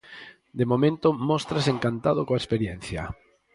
De momento, móstrase encantado coa experiencia.